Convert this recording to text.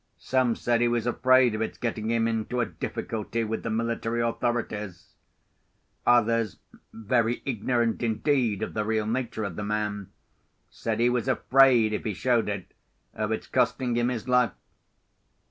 Some said he was afraid of its getting him into a difficulty with the military authorities; others (very ignorant indeed of the real nature of the man) said he was afraid, if he showed it, of its costing him his life.